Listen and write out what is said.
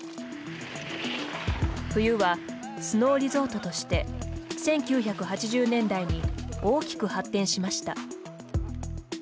冬はスノーリゾートとして１９８０年代に大きく発展しました。